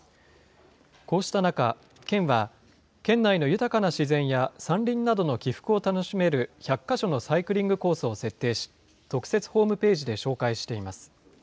こうした中、県は、県内の豊かな自然や山林などの起伏を楽しめる１００か所のサイクリングコースを設定し、特設ホームページで紹介しています。